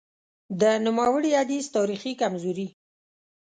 د نوموړي حدیث تاریخي کمزوري :